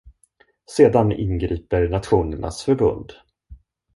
Sedan ingriper Nationernas förbund.